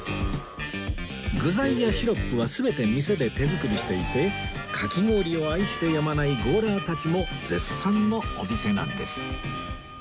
具材やシロップは全て店で手作りしていてかき氷を愛してやまないゴーラーたちも絶賛のお店なんです